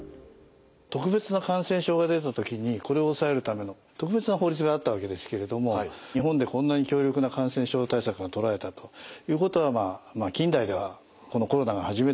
特別な感染症が出た時にこれを抑えるための特別な法律があったわけですけれども日本でこんなに強力な感染症対策が取られたということはまあ近代ではこのコロナが初めてじゃないかというふうに思います。